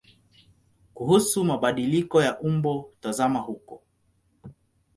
Kuhusu mabadiliko ya umbo tazama huko.